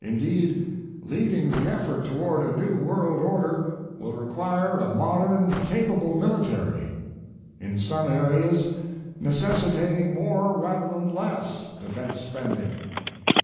Indeed, leading the effort toward a new world order will require a modern, capable military, in some areas necessitating more rather than less defense spending.